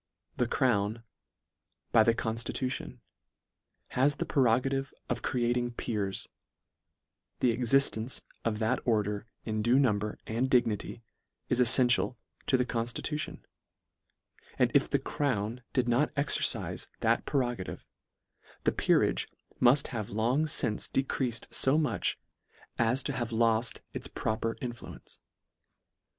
The crown, by the constitu tion, has the prerogative of creating peers ; the existence of that order in due number and dignity, is elfential to the conftitution ; and if the crown did not exercife that pre rogative, the peerage mull have long fince decreafed lb much, as to have loll its proper influence.